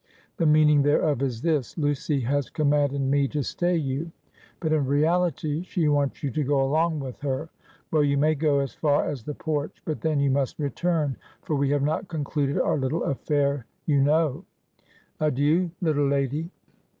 "The meaning thereof is this: Lucy has commanded me to stay you; but in reality she wants you to go along with her. Well, you may go as far as the porch; but then, you must return, for we have not concluded our little affair, you know. Adieu, little lady!"